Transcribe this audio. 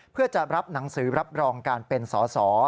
เพื่อจะรับหนังสือรับรองการเป็นสอสอ